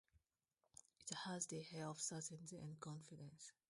It has the air of certainty and confidence.